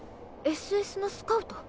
ＳＳのスカウト？